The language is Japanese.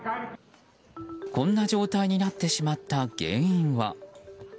こんな状態になってしまった原因は。